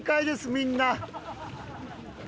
みんな。